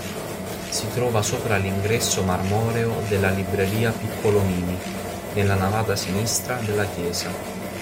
Si trova sopra l'ingresso marmoreo della Libreria Piccolomini, nella navata sinistra della chiesa.